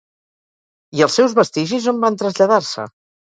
I els seus vestigis on van traslladar-se?